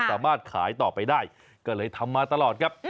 สามารถขายต่อไปได้ก็เลยทำมาตลอดครับ